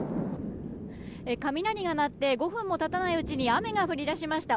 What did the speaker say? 雷が鳴って５分も経たないうちに雨が降り出しました。